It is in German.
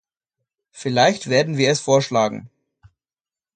Vielleicht werden wir es vorschlagen.